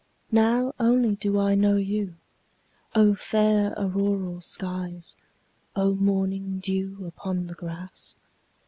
Now only do I know you, O fair auroral skies O morning dew upon the grass!